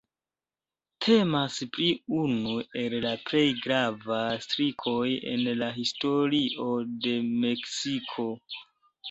Temas pri unu el la plej gravaj strikoj en la historio de Meksiko.